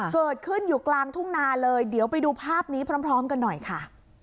เกิดขึ้นอยู่กลางทุ่งนาเลยเดี๋ยวไปดูภาพนี้พร้อมกันหน่อยค่ะ